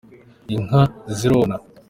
inka zirona.